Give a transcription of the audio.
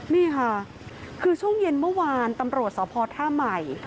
นี่ค่ะคือช่วงเย็นเมื่อวานตำรวจสพท่าใหม่